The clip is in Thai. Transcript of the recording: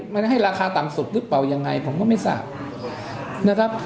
มันให้ราคาต่ำสุดหรือเปล่ายังไงผมก็ไม่ทราบนะครับ